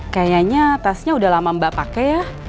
kayaknya tasnya udah lama mbak pakai ya